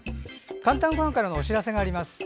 「かんたんごはん」からのお知らせがあります。